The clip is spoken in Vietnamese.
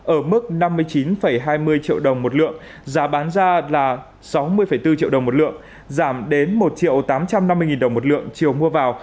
ở mức năm mươi chín hai mươi triệu đồng một lượng giá bán ra là sáu mươi bốn triệu đồng một lượng giảm đến một triệu tám trăm năm mươi đồng một lượng chiều mua vào